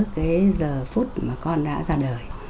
cái giờ phút mà con đã ra đời